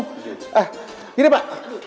eh ini pak